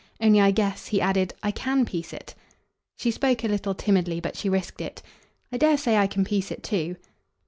Only I 'guess,' " he added, "I CAN piece it." She spoke a little timidly, but she risked it. "I dare say I can piece it too."